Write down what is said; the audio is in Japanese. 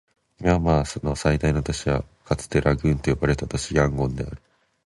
ミャンマーの最大都市はかつてラングーンと呼ばれた都市、ヤンゴンである